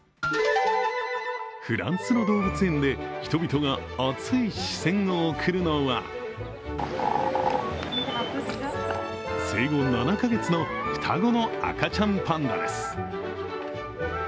フランスの動物園で人々が熱い視線を送るのは生後７カ月の双子の赤ちゃんパンダです。